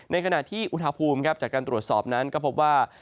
ในขณะที่อุณหภูมิจากการตรวจสอบนั้นก็พบว่า